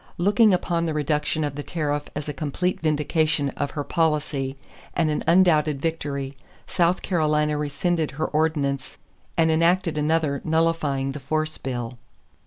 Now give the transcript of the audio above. Looking upon the reduction of the tariff as a complete vindication of her policy and an undoubted victory, South Carolina rescinded her ordinance and enacted another nullifying the force bill.